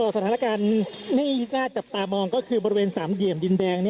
สถานการณ์ที่น่าจับตามองก็คือบริเวณสามเหลี่ยมดินแดง